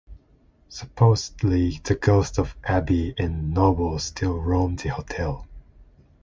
Supposedly the ghosts of Abby and Noble still roam the hotel.